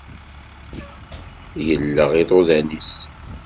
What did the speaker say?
Yelleɣ iḍuḍan-is.